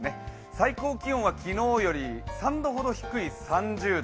最高気温は昨日より３度ほど低い３０度。